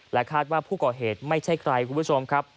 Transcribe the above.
คาดว่าผู้ก่อเหตุไม่ใช่ใครคุณผู้ชมครับ